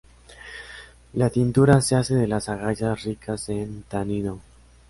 La tintura se hace de las agallas ricas en tanino.